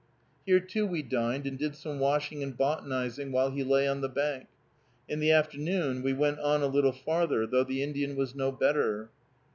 Here, too, we dined and did some washing and botanizing, while he lay on the bank. In the afternoon we went on a little farther, though the Indian was no better.